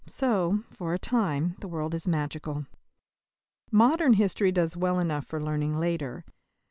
So, for a time, the world is magical. Modern history does well enough for learning later.